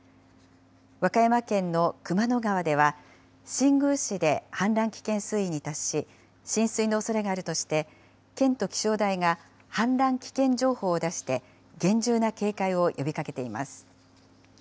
和歌山県の熊野川では、新宮市で氾濫危険水位に達し、浸水のおそれがあるとして、県と気象台が氾濫危険情報を出して、厳重な警戒を呼びかけています。